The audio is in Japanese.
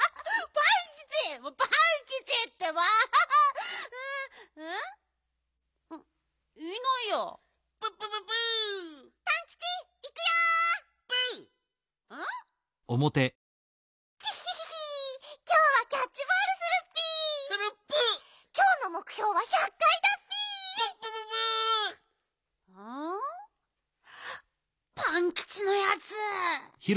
パンキチのやつ！